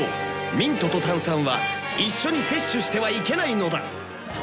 ミントと炭酸は一緒に摂取してはいけないのだ！